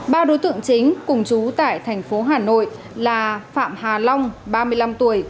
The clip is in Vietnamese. ba đối tượng chính cùng chú tại tp hà nội là phạm hà long ba mươi năm tuổi